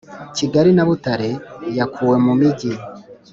Kigali na Butare yakuwe mumigi